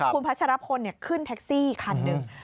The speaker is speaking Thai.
คุณพัชรพลขึ้นแท็กซี่คันหนึ่ง